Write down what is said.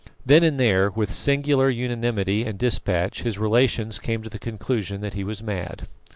Then and there, with singular unanimity and despatch, his relations came to the conclusion that he was mad.